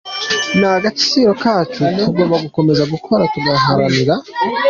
Ni agaciro kacu tugomba gukomeza gukora, tukagaharanira.